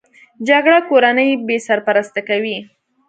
جګړه کورنۍ بې سرپرسته کوي